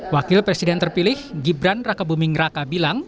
wakil presiden terpilih gibran rakebuming raka bilang